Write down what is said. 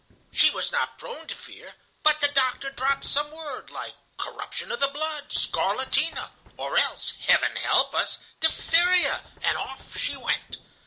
She was not prone to fear, but the doctor dropped some word, like corruption of the blood, scarlatina, or else—heaven help us—diphtheria, and off she went.